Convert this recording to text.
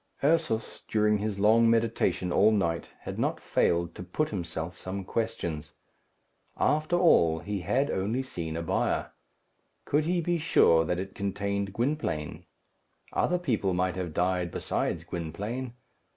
'" Ursus, during his long meditation all night, had not failed to put himself some questions. After all, he had only seen a bier. Could he be sure that it contained Gwynplaine? Other people might have died besides Gwynplaine.